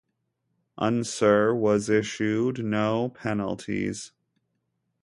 Unser was issued no penalties.